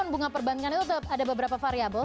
bunga perbankan itu tetap ada beberapa variable